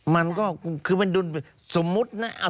มันก็คือมันดุลสมมุตินะ